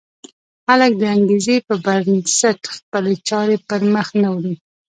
خلک د انګېزې پر بنسټ خپلې چارې پر مخ نه وړي.